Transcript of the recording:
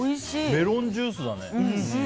メロンジュースだね。